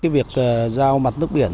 việc giao mặt nước biển